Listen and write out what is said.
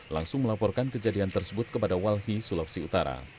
langsung melaporkan kejadian tersebut kepada walhi sulawesi utara